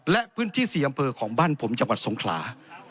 และพื้นที่๔อำเภอของบ้านผมจังหวัดสงขลา